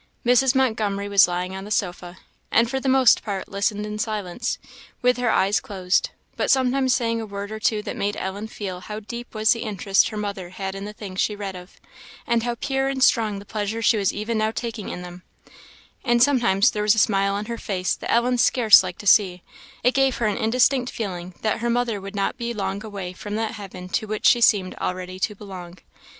Mrs. Montgomery was lying on the sofa, and for the most part listened in silence, with her eyes closed, but sometimes saying a word or two that made Ellen feel how deep was the interest her mother had in the things she read of, and how pure and strong the pleasure she was even now taking in them; and sometimes there was a smile on her face that Ellen scarce liked to see; it gave her an indistinct feeling that her mother would not be long away from that heaven to which she seemed already to belong.